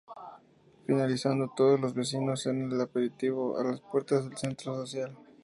Finalizando todos los vecinos en el aperitivo a las puertas del centro social.